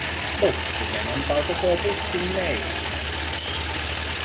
Muttinen antaa koko pussin neidilleen.